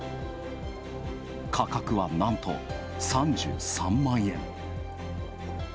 価格は、なんと３３万円。